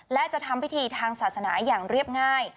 และจะทำพิธีทางศาสนาอย่างเรียบง่าย